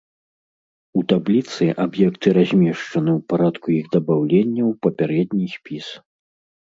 У табліцы аб'екты размешчаны ў парадку іх дабаўлення ў папярэдні спіс.